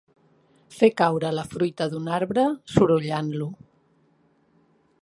Fer caure la fruita d'un arbre sorollant-lo.